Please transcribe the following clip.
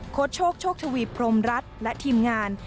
โชคโชคทวีพรมรัฐและทีมงาน